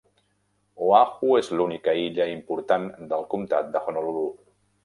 Oahu és l'única illa important del comtat de Honolulu.